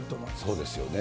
そうですよね。